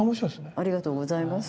ありがとうございます。